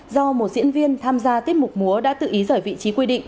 do một diễn viên tham gia tiết mục múa đã tự ý rời vị trí quy định